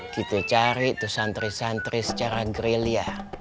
kita cari tuh santri santri secara gerilya